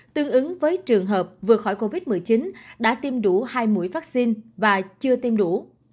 tương ứng với trường hợp vừa khỏi covid một mươi chín đã tiêm đủ hai mũi vaccine và chưa tiêm đủ